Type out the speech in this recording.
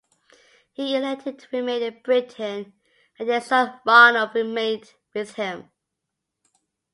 He elected to remain in Britain and their son Ronald remained with him.